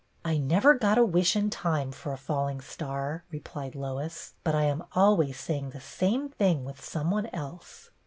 " I never got a wish in time for a falling star," replied Lois, " but I am always saying the same thing with some one else."